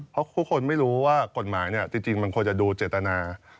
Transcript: เพราะทุกคนไม่รู้ว่ากฎหมายจริงมันควรจะดูเจตนา